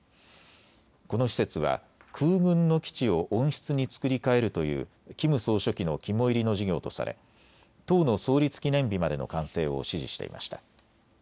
この施設は空軍の基地を温室に作り替えるというキム総書記の肝煎りの事業とされ党の創立記念日までの完成を指示していました。